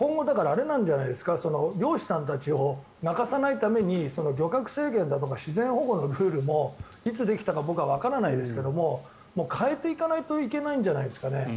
今後漁師さんたちを泣かさないために漁獲制限だとか自然保護のルールもいつできたのか僕はわからないですが変えていかないといけないんじゃないですかね。